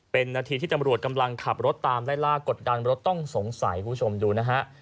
เป็นนาทีที่ตำรวจกำลังขับรถตามไล่ล่ากดดันรถต้องสงสัยคุณผู้ชมดูนะฮะ